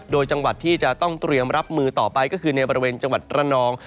โดยจังหวัดที่จะต้องเตรียมรับมือต่อไปก็คือในบริเวณจังหวัดระนอง